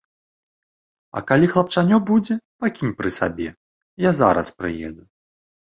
А калі хлапчанё будзе, пакінь пры сабе, я зараз прыеду.